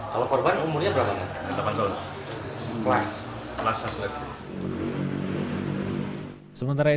kalau korban umurnya berapa